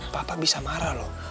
papa bisa marah loh